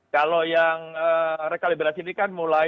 kalau yang rekalibrasi ini kan mulai